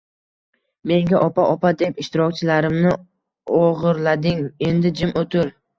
Menga opa opa deb ishtirokchilarimni o‘g‘irlading, endi jim o‘tir.